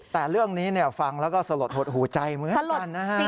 แต่เรื่องนี้ฟังแล้วก็สลดหดหูใจเหมือนกันนะฮะ